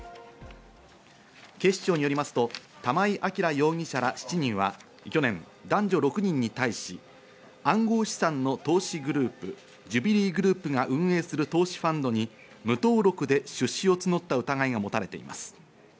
警視庁によりますと、玉井暁容疑者ら７人は去年、男女６人に対し無登録で暗号資産の投資グループ、ジュビリーグループが運営する投資ファンドに無登録で出資を募った疑いがもたれています。